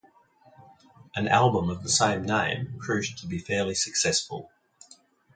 An album of the same name proved to be fairly successful.